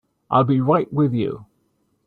I'll be right with you.